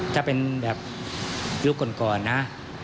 ถ้าเป็นแบบยุคก่อนนะ